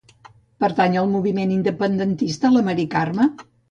Pertany al moviment independentista la Mari Carma?